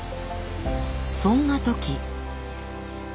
そんな時。